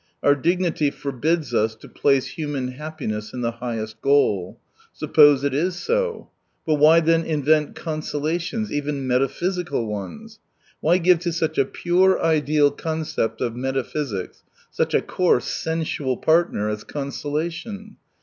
Our dignity forbids us to place human happiness in the highest goal. Suppose it is so ? But why then invent consolations, even metaphysicail ones ? Why give to such a " pure " ideal concept as metaphysics such a coarse " sensual " partner as consolation